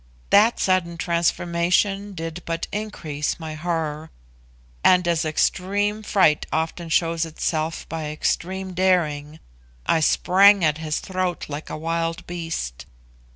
That sudden transformation did but increase my horror, and as extreme fright often shows itself by extreme daring, I sprang at his throat like a wild beast.